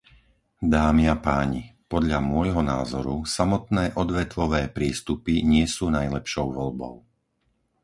Dámy a páni, podľa môjho názoru, samotné odvetvové prístupy nie sú najlepšou voľbou.